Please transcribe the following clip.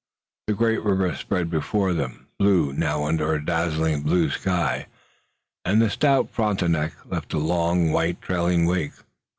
The great river spread before them, blue now under a dazzling blue sky, and the stout Frontenac left a long white trailing wake.